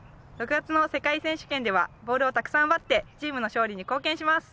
６月の世界選手権ではボールをたくさん奪ってチームの勝利に貢献します。